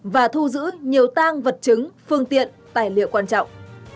và thu giữ nhiều tang vật chứng phương tiện tài liệu quan trọng